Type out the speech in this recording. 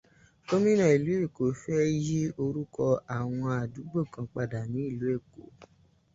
Gómìnà ìlú Èkó fẹ́ yí orúkọ àwọn àdúgbò kan padà ní ìlú Èkó.